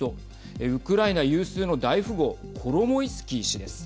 ウクライナ有数の大富豪コロモイスキー氏です。